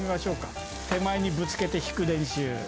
手前にぶつけて引く練習。